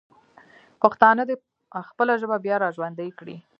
پښتانه دې خپله ژبه بیا راژوندی کړي.